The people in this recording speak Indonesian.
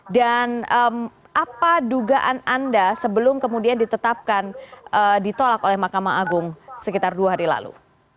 dan apa dugaan anda sebelum kemudian ditetapkan ditolak oleh mahkamah agung sekitar dua hari lalu